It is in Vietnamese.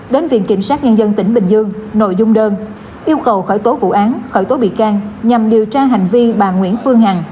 đến viện kiểm sát nhân dân tỉnh bình dương nội dung đơn yêu cầu khởi tố vụ án khởi tố bị can nhằm điều tra hành vi bà nguyễn phương hằng